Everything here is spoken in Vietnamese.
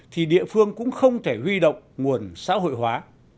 thì địa phương cũng không thể huy động nguồn xã hội hóa